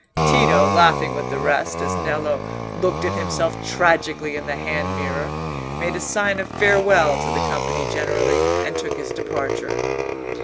Tito, laughing with the rest as Nello looked at himself tragically in the hand mirror, made a sign of farewell to the company generally, and took his departure.